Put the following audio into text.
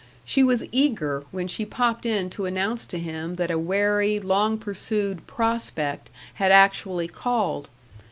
She was eager when she popped in to announce to him that a wary, long pursued "prospect" had actually called.